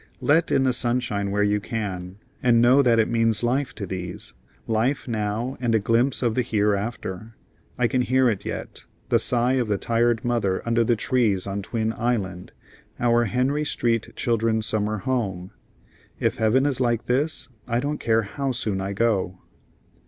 Let in the sunshine where you can, and know that it means life to these, life now and a glimpse of the hereafter. I can hear it yet, the sigh of the tired mother under the trees on Twin Island, our Henry street children's summer home: "If heaven is like this, I don't care how soon I go."